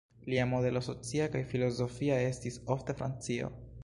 Lia modelo socia kaj filozofia estis ofte Francio.